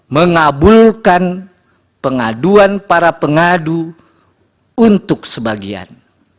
mengabulkan pengaduan para pengadu untuk sebagian